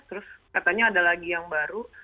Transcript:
terus katanya ada lagi yang baru